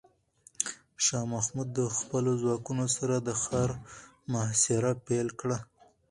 شاه محمود د خپلو ځواکونو سره د ښار محاصره پیل کړه.